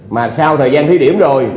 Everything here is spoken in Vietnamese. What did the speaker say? mà sau thời gian thí điểm rồi